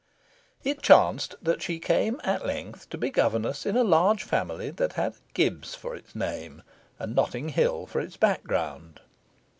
It chanced that she came, at length, to be governess in a large family that had Gibbs for its name and Notting Hill for its background.